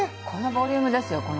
このボリュームですよ